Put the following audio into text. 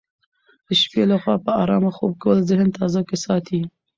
د شپې لخوا په ارامه خوب کول ذهن تازه ساتي.